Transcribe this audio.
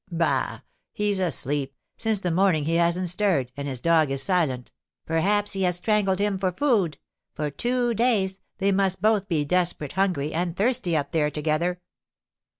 "Bah! He's asleep. Since the morning he hasn't stirred, and his dog is silent." "Perhaps he has strangled him for food. For two days, they must both be desperate hungry and thirsty up there together."